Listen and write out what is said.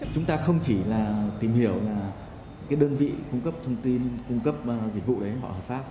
chúng ta không chỉ là tìm hiểu là cái đơn vị cung cấp thông tin cung cấp dịch vụ đấy họ hợp pháp